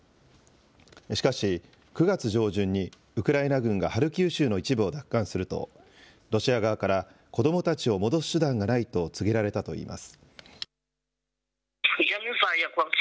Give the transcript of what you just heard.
しかし、９月上旬にウクライナ軍がハルキウ州の一部を奪還すると、ロシア側から、子どもたちを戻す手段がないと告げられたといいます。